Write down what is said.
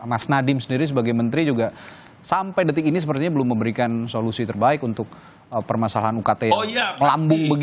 karena mas nadiem sendiri sebagai menteri juga sampai detik ini sepertinya belum memberikan solusi terbaik untuk permasalahan ukt yang melambung begini